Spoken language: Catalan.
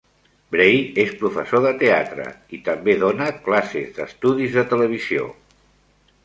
Bray és professor de teatre i també dona classes d'estudis de televisió.